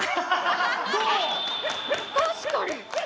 確かに！